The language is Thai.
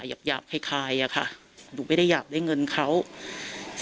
เพราะว่าเขามีการมาด่าทอด้วยถึงบุพการี